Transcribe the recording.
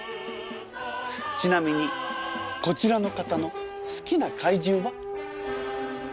ちなみにこちらの方の好きな怪獣は？